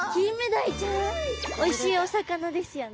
おいしいお魚ですよね。